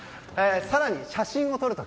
更に、写真を撮る時